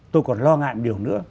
tôi còn lo ngại một điều nữa